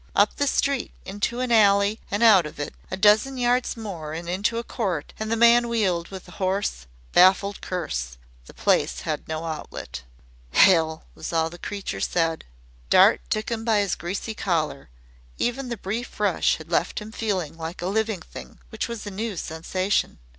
Up the street, into an alley and out of it, a dozen yards more and into a court, and the man wheeled with a hoarse, baffled curse. The place had no outlet. "Hell!" was all the creature said. Dart took him by his greasy collar. Even the brief rush had left him feeling like a living thing which was a new sensation.